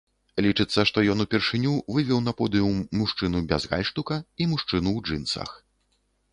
Лічыцца, што ён упершыню вывеў на подыум мужчыну без гальштука і мужчыну ў джынсах.